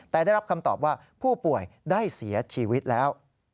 แต่ได้รับคำตอบว่าผู้ป่วยได้เสียชีวิตแล้ว